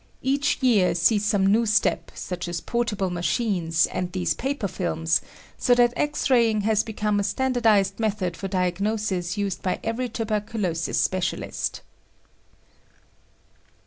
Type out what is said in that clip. Each year sees some new step, such as portable machines and these paper films, so that X raying has become a standardized method for diagnosis used by every tuberculosis specialist.